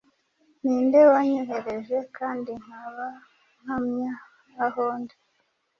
Ninde wanyohereje, kandi nkaba mpamya aho ndi